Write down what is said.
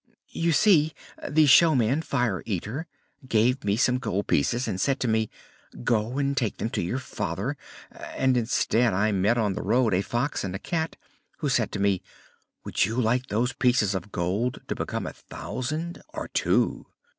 "You see, the showman, Fire Eater, gave me some gold pieces and said to me: 'Go, and take them to your father!' and instead I met on the road a Fox and a Cat, who said to me: 'Would you like those pieces of gold to become a thousand or two?